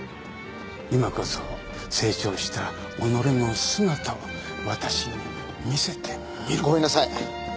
今こそ成長した己の姿を私に見せてみろ。ごめんなさい。